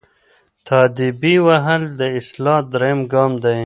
تاديبي وهل د اصلاح دریم ګام دی.